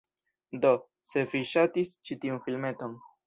Do, se vi ŝatis ĉi tiun filmeton..